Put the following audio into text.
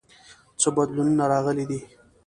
څه بدلونونه راغلي دي؟